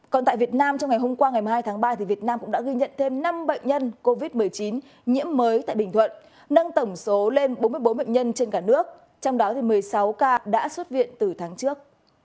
còn tại việt nam trong ngày hôm qua ngày một mươi hai tháng ba việt nam cũng đã ghi nhận thêm năm bệnh nhân covid một mươi chín nhiễm mới tại bình thuận nâng tổng số lên bốn mươi bốn bệnh nhân trên cả nước trong đó một mươi sáu ca đã xuất viện từ tháng trước